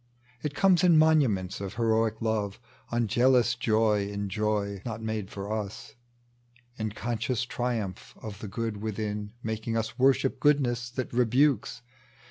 It comes in moments of heroic love, Unjealous joy in joy not made for us — In conscious triumph of the good within Making us worship goodness that rebukes.